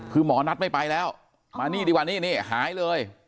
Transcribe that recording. คือหมอนัทไม่ไปแล้วมานี่ดีกว่านี่หายเลย